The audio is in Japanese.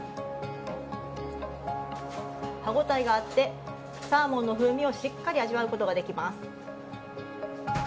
歯応えがあってサーモンの風味をしっかり味わうことができます。